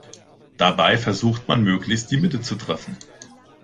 Dabei versucht man, möglichst die Mitte zu treffen.